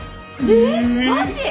えっマジ！？